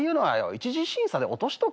一次審査で落としとけ。